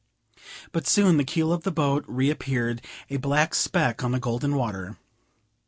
But soon the keel of the boat reappeared, a black speck on the golden water.